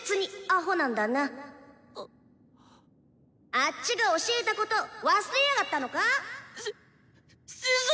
あッチが教えたこと忘れやがったのか⁉しっ師しょ！